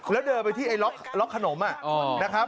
แล้วเดินไปที่ไอ้ล็อกขนมนะครับ